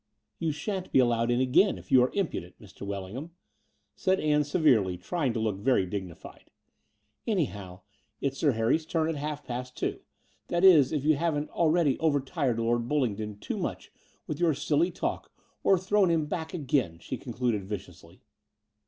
"You shan't be allowed in again, if you are im pudent, Mr. Wellingham," said Ann severely, trjring to look very dignified. Anyhow, it's Sir Harry's turn at half past two — that is, if you haven't already over tired Lord Bullingdon too much with your silly talk or thrown him back again," she concluded viciously.